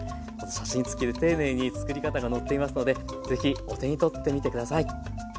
写真つきで丁寧につくり方が載っていますのでぜひお手に取ってみて下さい。